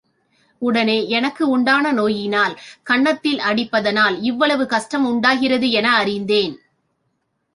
உடனே எனக்குண்டான நோயினால், கன்னத்தில் அடிப்பதனால் இவ்வளவு கஷ்டமுண்டாகிறதென அறிந்தேன்!